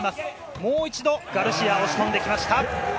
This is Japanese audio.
もう一度ガルシア、押し込んできました。